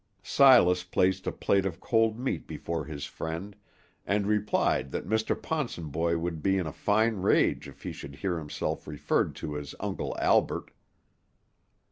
Silas placed a plate of cold meat before his friend, and replied that Mr. Ponsonboy would be in a fine rage if he should hear himself referred to as Uncle Albert.